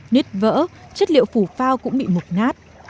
nứt vỡ chất liệu phủ phao cũng bị mục nát